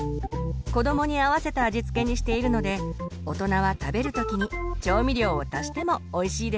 子どもに合わせた味付けにしているので大人は食べる時に調味料を足してもおいしいですよ。